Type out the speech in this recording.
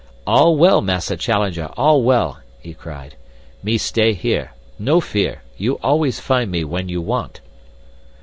"All well, Massa Challenger, all well!" he cried. "Me stay here. No fear. You always find me when you want."